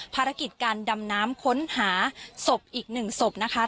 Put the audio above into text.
ภารกิจการดำน้ำค้นหาสบอีก๑สบนะคะ